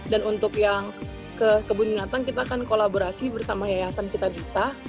dan untuk yang kebun binatang kita akan kolaborasi bersama yayasan kita bisa